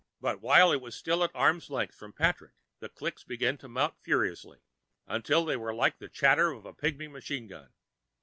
But while it was still an arm's length from Patrick, the clicks began to mount furiously, until they were like the chatter of a pigmy machine gun.